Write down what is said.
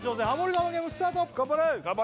我慢ゲームスタート頑張れ！